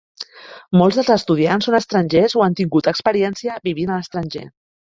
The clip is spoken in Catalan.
Molts dels estudiants són estrangers o han tingut experiència vivint a l'estranger.